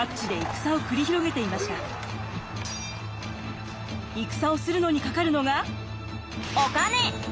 戦をするのにかかるのがお金！